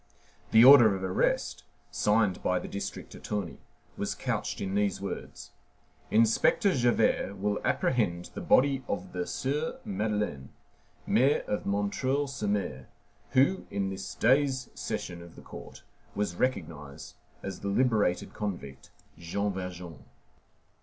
The order of arrest, signed by the district attorney, was couched in these words: "Inspector Javert will apprehend the body of the Sieur Madeleine, mayor of M. sur M., who, in this day's session of the court, was recognized as the liberated convict, Jean Valjean."